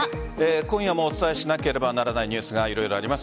今夜もお伝えしなければならないニュースが色々あります。